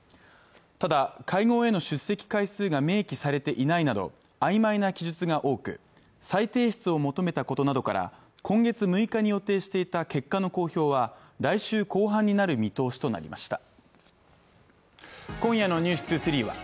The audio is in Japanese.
ただ会合への出席回数が明記されていないなどあいまいな記述が多く再提出を求めたことなどから今月６日に予定していた結果の公表は来週後半になる見通しとなりました